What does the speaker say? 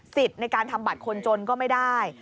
ในการทำบัตรคนจนก็ไม่ได้